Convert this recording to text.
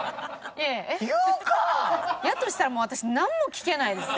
やとしたらもう私なんも聞けないです。